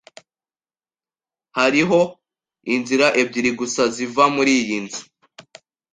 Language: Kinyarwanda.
Hariho inzira ebyiri gusa ziva muriyi nzu.